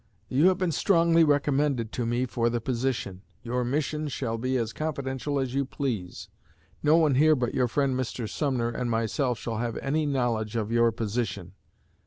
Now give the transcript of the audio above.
You have been strongly recommended to me for the position. Your mission shall be as confidential as you please; no one here but your friend Mr. Sumner and myself shall have any knowledge of your position.